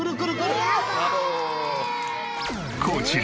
こちら。